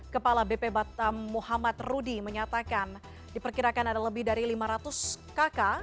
kepala bp batam muhammad rudy menyatakan diperkirakan ada lebih dari lima ratus kakak